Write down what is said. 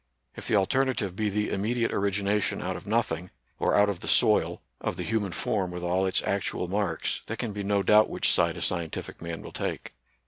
If the alter native be the immediate origination out of nothing, or out of the soil, of the human form with all its actual marks, there can be no doubt which side a scientific man will take.